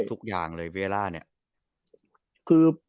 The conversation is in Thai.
ทุกอย่างเลยเวียร่าเนี่ย